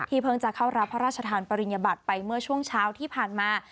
เพิ่งจะเข้ารับพระราชทานปริญญบัติไปเมื่อช่วงเช้าที่ผ่านมา